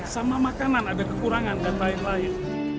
sama makanan ada kekurangan dan lain lain